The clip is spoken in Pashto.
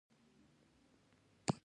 کارونه یې په یوه لست کې ترتیب کړئ.